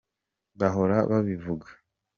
bahora babivuga.